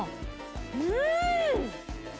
うん！